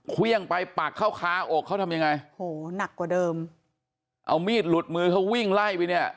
เครื่องไปปักเข้าคาอกเขาทำยังไงโหหนักกว่าเดิมเอามีดหลุดมือเขาวิ่งไล่ไปเนี่ย